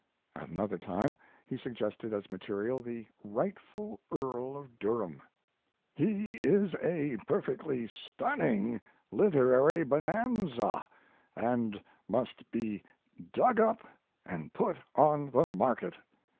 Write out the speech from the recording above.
At another time he suggested as material the "Rightful Earl of Durham." He is a perfectly stunning literary bonanza, and must be dug up and put on the market.